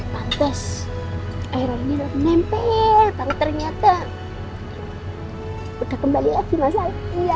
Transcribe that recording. pantes airannya udah nempel tapi ternyata udah kembali lagi mas al